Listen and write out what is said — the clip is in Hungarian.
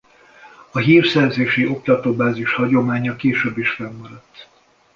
A hírszerzési oktató bázis hagyománya később is fennmaradt.